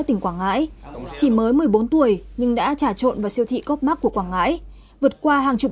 tỉnh quảng ngãi chỉ mới một mươi bốn tuổi nhưng đã trả trộn vào siêu thị copmark của quảng ngãi vượt qua hàng chục